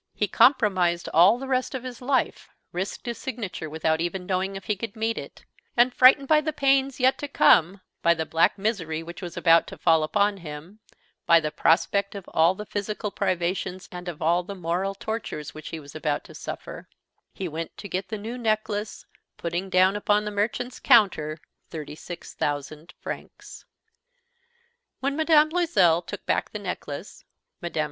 He compromised all the rest of his life, risked his signature without even knowing if he could meet it; and, frightened by the pains yet to come, by the black misery which was about to fall upon him, by the prospect of all the physical privations and of all the moral tortures which he was to suffer, he went to get the new necklace, putting down upon the merchant's counter thirty six thousand francs. When Mme. Loisel took back the necklace, Mme.